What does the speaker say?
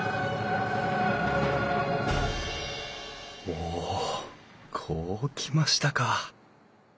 おおこうきましたか。